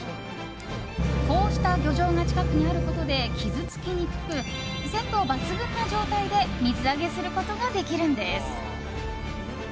こうした漁場が近くにあることで傷つきにくく鮮度抜群な状態で水揚げすることができるんです。